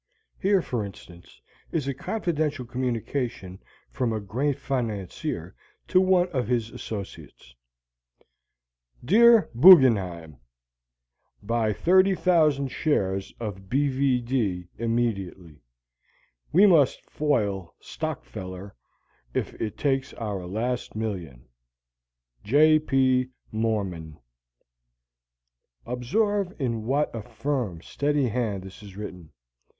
Here, for instance, is a confidential communication from a great financier to one of his associates: Dear Buggenheim, Buy 30,000 shares of B V D immediately We must foil Stockfeller if it takes our last million J P Mormon Observe in what a firm, steady hand this is written.